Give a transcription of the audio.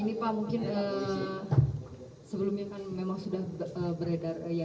ini pak mungkin sebelumnya kan memang sudah beredar